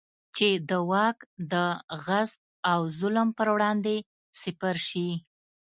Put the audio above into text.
چې د واک د غصب او ظلم پر وړاندې سپر شي.